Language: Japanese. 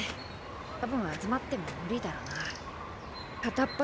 たぶん集まっても無理だろな。